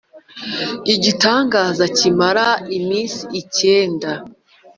igitangaza kimara iminsi icyenda